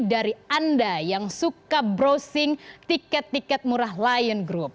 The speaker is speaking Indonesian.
dari anda yang suka browsing tiket tiket murah lion group